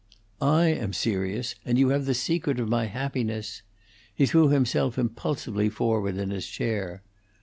"I am serious; and you have the secret of my happiness " He threw himself impulsively forward in his chair.